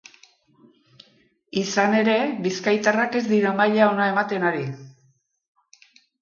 Izan ere, bizkaitarrak ez dira maila ona ematen ari.